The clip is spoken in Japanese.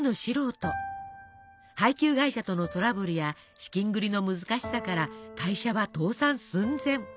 配給会社とのトラブルや資金繰りの難しさから会社は倒産寸前。